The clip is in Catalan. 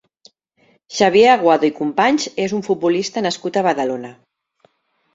Xavier Aguado i Companys és un futbolista nascut a Badalona.